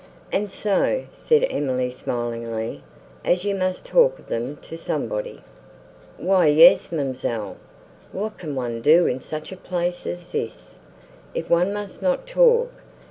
"And so," said Emily smilingly, "as you must talk of them to somebody—" "Why, yes, ma'amselle; what can one do in such a place as this, if one must not talk?